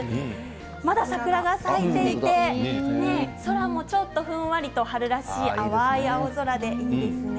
まだ桜が咲いていて空もちょっとふんわりと春らしい淡い青空でいいですね